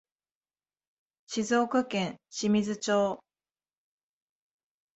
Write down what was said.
静岡県清水町